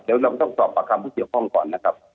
เดี๋ยวเราต้องสอบประคำผู้เกี่ยวข้องก่อนนะครับ